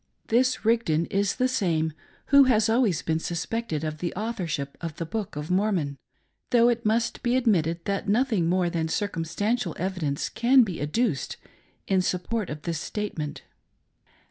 This Rigdon is the same who has always been suspected of the authorship of the Book of Mormon, though it must be admitted that nothing more than circumstantial evidence can be adduced in support of this statement.